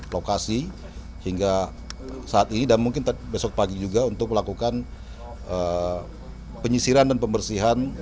lokasi hingga saat ini dan mungkin besok pagi juga untuk melakukan penyisiran dan pembersihan